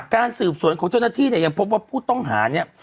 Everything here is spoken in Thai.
การสืบสวนของเจ้าหน้าที่เนี่ยยังพบว่าผู้ต้องหาเนี่ย